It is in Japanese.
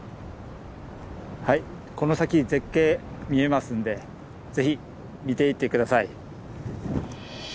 はいこの先絶景見えますんでぜひ見ていって下さい。